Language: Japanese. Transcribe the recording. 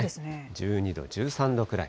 １２度、１３度くらい。